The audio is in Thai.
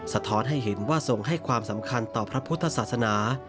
ท้อนให้เห็นว่าทรงให้ความสำคัญต่อพระพุทธศาสนา